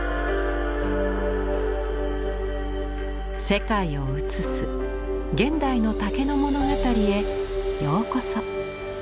世界を映す現代の竹の物語へようこそ。